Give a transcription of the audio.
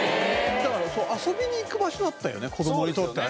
だから遊びに行く場所だったよね子供にとってはね。